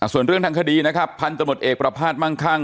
ส่วนเรื่องทางคดีนะครับพันธมตเอกประภาษมั่งคั่ง